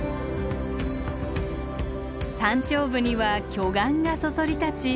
山頂部には巨岩がそそり立ち